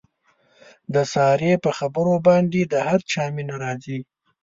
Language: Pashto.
د سارې په خبرو باندې د هر چا مینه راځي.